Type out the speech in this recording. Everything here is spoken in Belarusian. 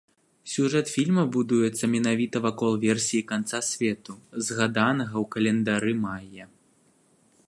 Сюжэт фільма будуецца менавіта вакол версіі канца свету, згаданага ў календары майя.